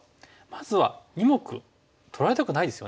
まずは２目取られたくないですよね。